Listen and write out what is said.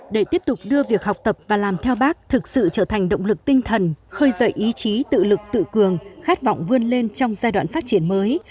để tiếp tục đưa việc học tập và làm theo bác thực sự trở thành động lực tinh thần khơi dậy ý chí tự lực tự cường khát vọng vươn lên trong giai đoạn phát triển mới